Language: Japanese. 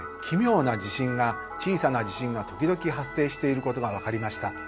奇妙な地震が小さな地震が時々発生していることが分かりました。